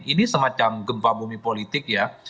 ini semacam gempa bumi politik ya